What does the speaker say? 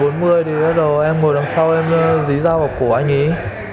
em ngồi đằng sau em dí dao vào cổ anh ấy